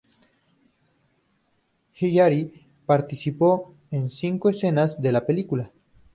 Hillary participó en cinco escenas de la película.